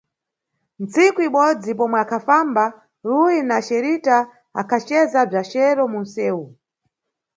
Ntsiku ibodzi, pomwe akhafamba Ruyi na Xerita, akhaceza bza chero munʼsewu.